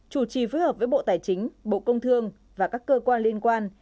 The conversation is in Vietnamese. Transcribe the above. chủ trì phối hợp với bộ tài chính bộ công thương và các cơ quan liên quan